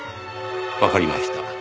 わかりました。